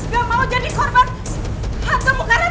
gak mau jadi korban